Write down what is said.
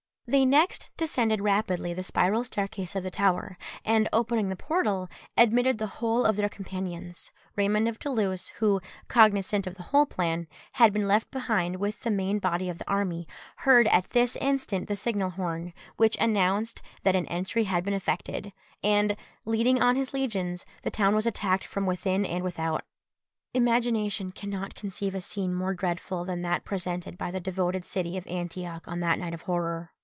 They next descended rapidly the spiral staircase of the tower, and opening the portal, admitted the whole of their companions. Raymond of Toulouse, who, cognisant of the whole plan, had been left behind with the main body of the army, heard at this instant the signal horn, which announced that an entry had been effected, and, leading on his legions, the town was attacked from within and without. Vide William of Tyre. Imagination cannot conceive a scene more dreadful than that presented by the devoted city of Antioch on that night of horror.